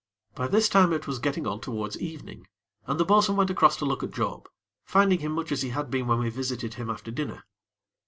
By this time it was getting on towards evening, and the bo'sun went across to look at Job, finding him much as he had been when we visited him after dinner.